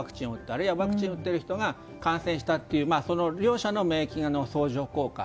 あるいはワクチンを打っている人が感染したという両者の免疫の相乗効果